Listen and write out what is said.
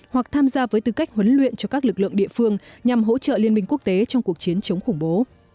hoặc tham gia với tư cách huấn luyện cho các lực lượng địa phương nhằm hỗ trợ liên minh quốc tế trong cuộc chiến chống khủng bố